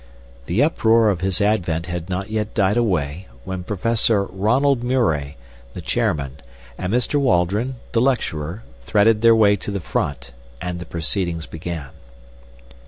The uproar of his advent had not yet died away when Professor Ronald Murray, the chairman, and Mr. Waldron, the lecturer, threaded their way to the front, and the proceedings began.